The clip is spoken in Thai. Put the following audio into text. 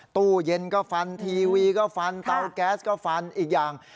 ตู้เย็นก็ฟันทีวีก็ฟันเตาแก๊สก็ฟันอีกอย่าง